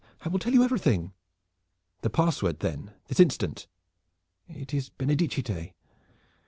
I will tell you everything." "The password then, this instant?" "It is 'Benedicite!'"